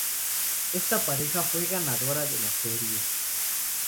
Esa pareja fue la ganadora de la serie.